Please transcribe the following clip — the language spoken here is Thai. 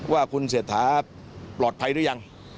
ว่าคุณเศรษฐาปลอดภัยหรือยัง